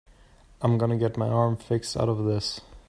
I'm gonna get my arm fixed out of this.